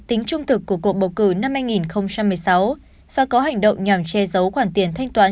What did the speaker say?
tính trung thực của cuộc bầu cử năm hai nghìn một mươi sáu và có hành động nhằm che giấu khoản tiền thanh toán